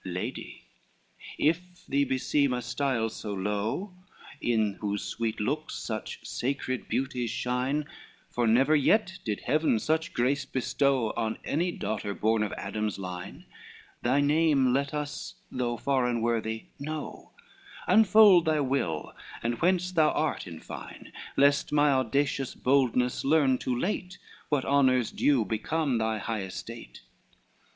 XXXV "Lady, if thee beseem a stile so low, In whose sweet looks such sacred beauty shine,— For never yet did Heaven such grace bestow On any daughter born of Adam's line— Thy name let us, though far unworthy, know, Unfold thy will, and whence thou art in fine, Lest my audacious boldness learn too late What honors due become thy high estate."